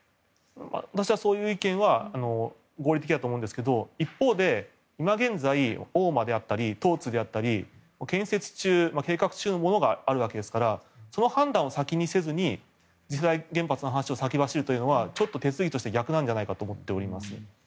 私はそういう意見は合理的だと思うんですけども一方で、今現在建設中計画中のものがありますからその判断を先にせずに次世代原発の話を先走るというのは手続きとして逆なんじゃないかと思っています。